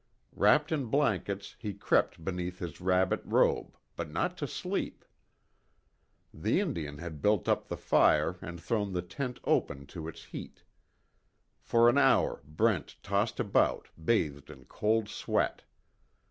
Wrapped in blankets he crept beneath his rabbit robe but not to sleep. The Indian had built up the fire and thrown the tent open to its heat. For an hour Brent tossed about, bathed in cold sweat.